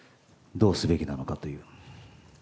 どうすべきなのかという。